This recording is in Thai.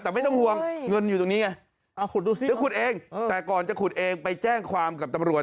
แต่ไม่ต้องห่วงเงินอยู่ตรงนี้ไงหรือขุดเองแต่ก่อนจะขุดเองไปแจ้งความกับตำรวจ